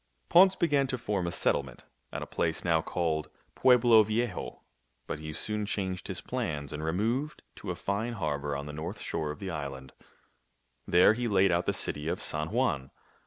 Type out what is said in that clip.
Ponce began to form a settlement at a place now called Pueblo Viejo ; but he soon changed his plans and removed to a fine harbor on the north shore of the island. There he laid out the city of San Juan.